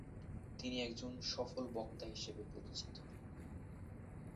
তিনি একজন সফল বক্তা হিসেবে পরিচিত।